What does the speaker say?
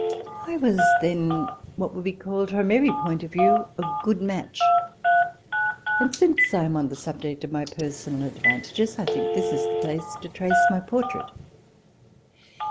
I was then what would be called from every point of view a good match, and since I am on the subject of my personal advantages, I think this is the place to trace my portrait.